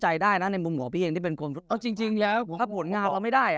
ใจได้นะในมุมหัวพี่เองที่เป็นคนจริงแล้วผลงานเราไม่ได้